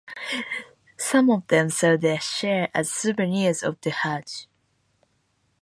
Some of them sell their share as souvenirs of the Hajj.